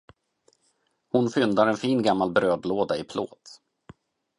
Hon fyndar en fin gammal brödlåda i plåt